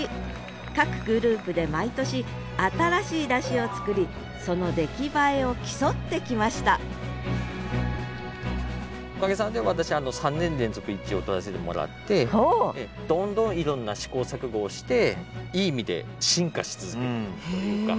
各グループで毎年新しい山車を作りその出来栄えを競ってきましたおかげさまで私３年連続１位を取らせてもらってどんどんいろんな試行錯誤をしていい意味で進化し続けるというか。